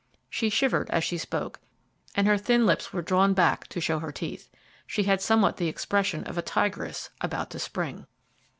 She shivered as she spoke, and her thin lips were drawn back to show her teeth. She had somewhat the expression of a tigress about to spring.